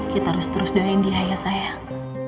kita harus terus doain dia ya sayang